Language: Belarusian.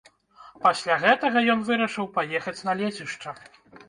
Пасля гэтага ён вырашыў паехаць на лецішча.